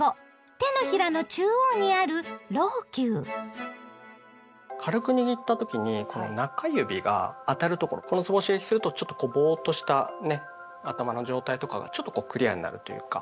手のひらの中央にある軽く握った時にこの中指が当たるところこのつぼを刺激するとちょっとこうボーっとしたね頭の状態とかがちょっとこうクリアになるというか。